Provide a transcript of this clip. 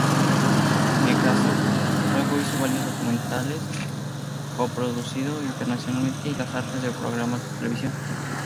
Nekrásov luego hizo varios documentales coproducido internacionalmente y las artes de programas de televisión.